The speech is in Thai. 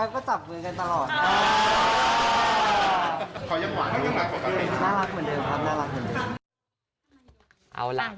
เข้าไป